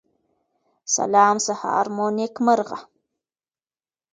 سلام سهار مو نیکمرغه